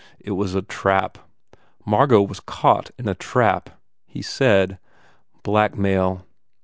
It was a trap. Margot was caught in a trap. He said, "Blackmail."